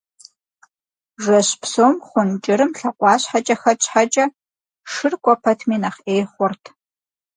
Жэщ псом хъун кӏырым лъакъуащхьэкӏэ хэт щхьэкӏэ, шыр кӏуэ пэтми нэхъ ӏей хъурт.